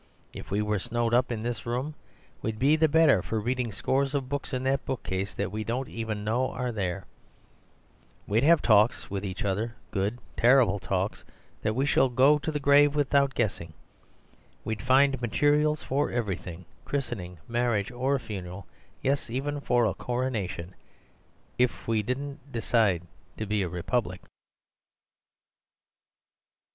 If we were snowed up in this room, we'd be the better for reading scores of books in that bookcase that we don't even know are there; we'd have talks with each other, good, terrible talks, that we shall go to the grave without guessing; we'd find materials for everything— christening, marriage, or funeral; yes, even for a coronation— if we didn't decide to be a republic."